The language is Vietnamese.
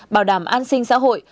bảo đảm an sinh xã hội